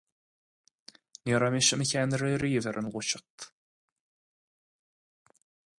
Ní raibh mise i mo cheannaire riamh ar an nGluaiseacht.